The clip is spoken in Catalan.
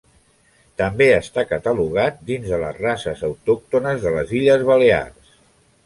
També està catalogat dins de les races autòctones de les Illes Balears.